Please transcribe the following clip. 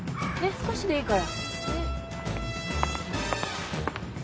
少しでいいから。